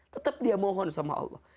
tetap dia mohon sama allah